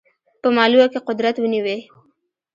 په مالوه کې قدرت ونیوی.